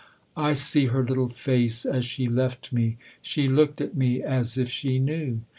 " I see her little face as she left me she looked at me as if she knew.